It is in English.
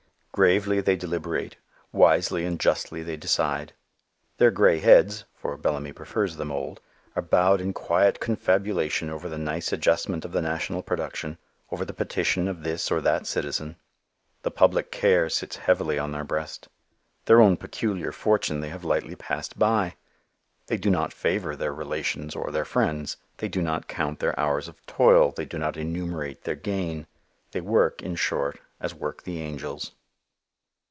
Gravely they deliberate; wisely and justly they decide. Their gray heads for Bellamy prefers them old are bowed in quiet confabulation over the nice adjustment of the national production, over the petition of this or that citizen. The public care sits heavily on their breast. Their own peculiar fortune they have lightly passed by. They do not favor their relations or their friends. They do not count their hours of toil. They do not enumerate their gain. They work, in short, as work the angels.